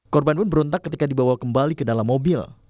korban pun berontak ketika dibawa kembali ke dalam mobil